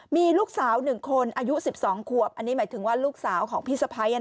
มีลูกสาว๑คนอายุ๑๒ขวบอันนี้หมายถึงว่าลูกสาวของพี่สะพ้าย